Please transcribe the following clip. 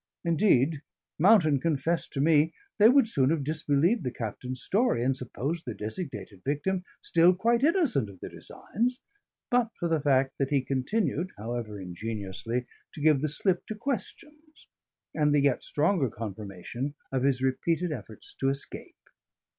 Indeed, Mountain confessed to me they would soon have disbelieved the captain's story, and supposed their designated victim still quite innocent of their designs; but for the fact that he continued (however ingeniously) to give the slip to questions, and the yet stronger confirmation of his repeated efforts to escape.